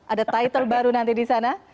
ada title baru nanti di sana